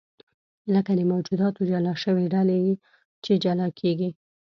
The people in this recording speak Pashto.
لکه د موجوداتو جلا شوې ډلې چې جلا کېږي.